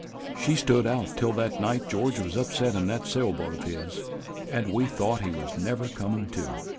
"She stood out till that night George was upset in that sail boat of his and we thought he was never comin' to.